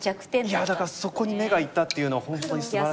いやだからそこに目がいったっていうのは本当にすばらしいというか。